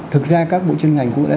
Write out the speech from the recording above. thực ra các bộ chuyên ngành cũng đã